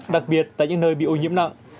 đặc biệt tại những nơi bị ô nhiễm nặng